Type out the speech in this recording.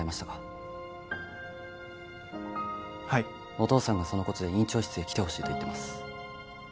お父さんがその事で院長室へ来てほしいと言っています。